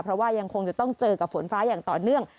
เพราะว่ายังคงจะต้องเจอกับฝนฟ้าอย่างต่อเนื่อง